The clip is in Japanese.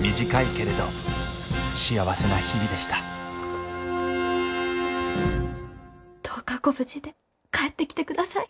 短いけれど幸せな日々でしたどうかご無事で帰ってきてください。